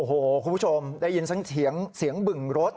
โอ้โหคุณผู้ชมได้ยินทั้งเสียงบึงรถ